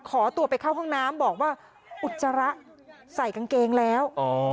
ขอตัวไปเข้าห้องน้ำบอกว่าอุจจาระใส่กางเกงแล้ว